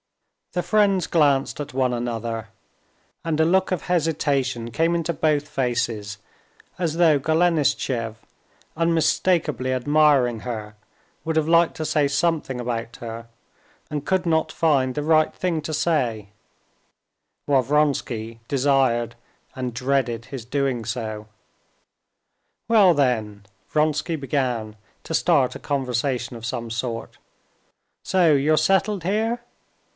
The friends glanced at one another, and a look of hesitation came into both faces, as though Golenishtchev, unmistakably admiring her, would have liked to say something about her, and could not find the right thing to say, while Vronsky desired and dreaded his doing so. "Well then," Vronsky began to start a conversation of some sort; "so you're settled here?